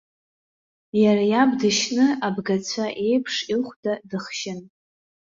Иара иаб дышьны абгацәа еиԥш ихәда дыхшьын.